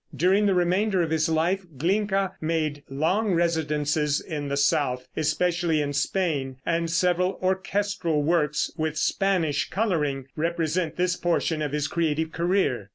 During the remainder of his life Glinka made long residences in the south, especially in Spain, and several orchestral works, with Spanish coloring, represent this portion of his creative career.